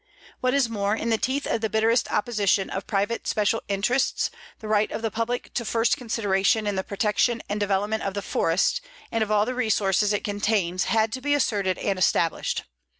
What is more, in the teeth of the bitterest opposition of private special interests, the right of the public to first consideration in the protection and development of the forest and of all the resources it contains had to be asserted and established.